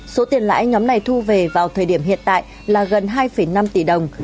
số tiền lãi nhóm này thu về vào thời điểm hiện tại là gần hai năm tỷ đồng